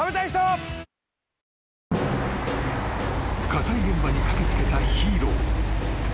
［火災現場に駆け付けたヒーロー。